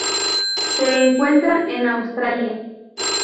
Se encuentra en Australia